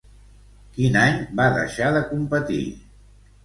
Quin any va deixar de competir?